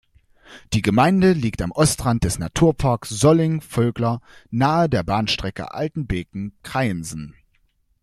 Die Gemeinde liegt am Ostrand des Naturpark Solling-Vogler nahe der Bahnstrecke Altenbeken–Kreiensen.